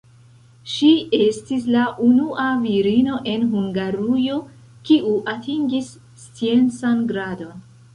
Ŝi estis la unua virino en Hungarujo, kiu atingis sciencan gradon.